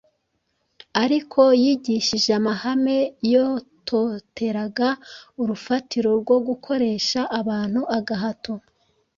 Ariko yigishije amahame yototeraga urufatiro rwo gukoresha abantu agahato,